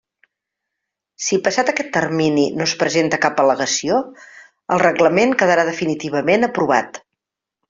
Si passat aquest termini no es presenta cap al·legació, el reglament quedarà definitivament aprovat.